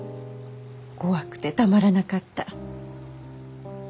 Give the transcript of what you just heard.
怖くてたまらなかった。